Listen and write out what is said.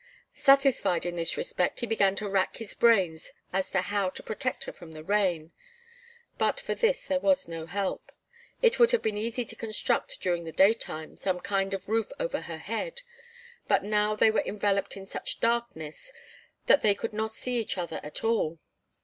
Satisfied in this respect, he began to wrack his brains as to how to protect her from the rain. But for this there was no help. It would have been easy to construct during the daytime some kind of roof over her head, but now they were enveloped in such darkness that they could not see each other at all.